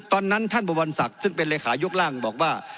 ตอนนั้นท่านบศักดิ์ซึ่งเป็นเลขายกล้างบอกว่า